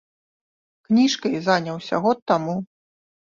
Кніжкай заняўся год таму.